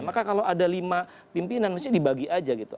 maka kalau ada lima pimpinan mesti dibagi aja gitu